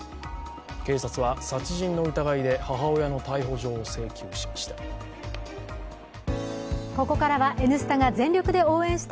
警察は殺人の疑いで母親の逮捕状を請求しました。